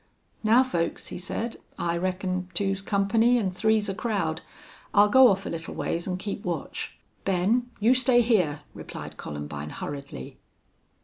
"Now, folks," he said, "I reckon two's company an' three's a crowd. I'll go off a little ways an' keep watch." "Ben, you stay here," replied Columbine, hurriedly.